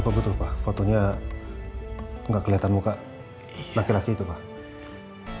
apa betul pak fotonya nggak kelihatan muka laki laki itu pak